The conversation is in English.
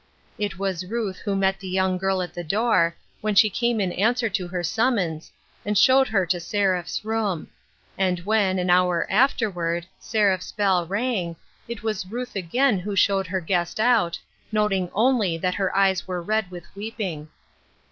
It was Ruth who met the young girl at the door, when she came in answer to her summons, and showed her to Seraph's room ; and when, an hour afterward, Seraph's bell rang, it was Ruth again who showed her guest out, noting only that her eyes were red with weeping.